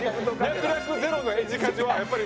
脈略ゼロのエジカジはやっぱり。